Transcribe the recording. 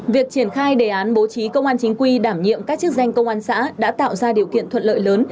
việc triển khai đề án bố trí công an chính quy đảm nhiệm các chức danh công an xã đã tạo ra điều kiện thuận lợi lớn